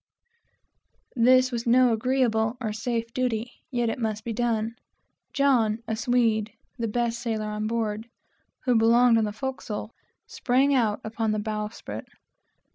This was no agreeable or safe duty, yet it must be done. An old Swede, (the best sailor on board,) who belonged on the forecastle, sprang out upon the bowsprit.